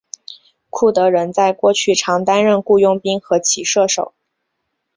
库德人在过去常担任雇佣兵和骑射手。